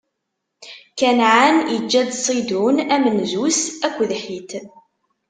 Kanɛan iǧǧa-d Ṣidun, amenzu-s, akked Ḥit.